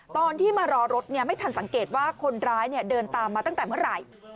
ตอนที่มารอรถไม่ทันสังเกตว่าคนร้ายเดินตามมาตั้งแต่เมื่อไหร่